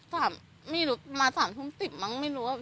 ถามไม่รู้มา๓ทุ่ม๑๐มั้งไม่รู้ว่า